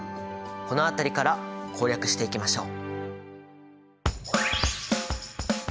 この辺りから攻略していきましょう！